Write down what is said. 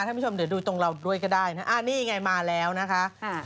ถ้าไม่ชมเดี๋ยวตรงเราด้วยก็ได้อนี่ไงมาแล้วนะคะ